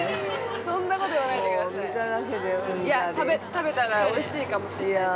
◆食べたらおいしいかもしれないです。